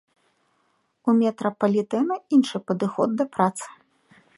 У метрапалітэна іншы падыход да працы.